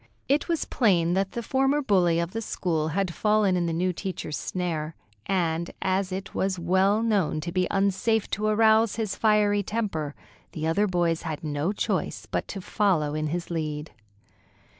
It was plain that the former bully of the school had fallen in the new teacher's snare, and as it was well known to be unsafe to arouse his fiery temper, the other boys had no choice but to follow in his lead.